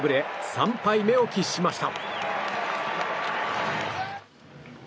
３敗目を喫しました。